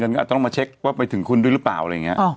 เอออะเอาอีกแล้วหรอ